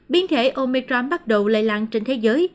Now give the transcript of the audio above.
biến thể omicram bắt đầu lây lan trên thế giới